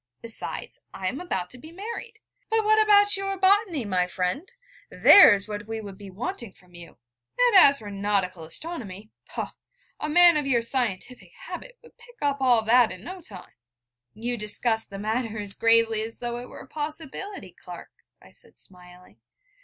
Besides, I am about to be married....' 'But what about your botany, my friend? There's what we should be wanting from you: and as for nautical astronomy, poh, a man with your scientific habit would pick all that up in no time.' 'You discuss the matter as gravely as though it were a possibility, Clark,' I said, smiling.